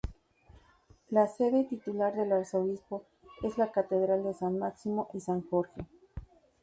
La sede titular del arzobispo es la Catedral de San Máximo y San Jorge.